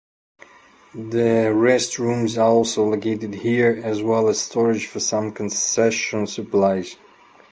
The restrooms are also located here, as well as storage for some concession supplies.